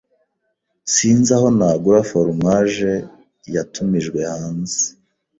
Sinzi aho nagura foromaje yatumijwe hanze.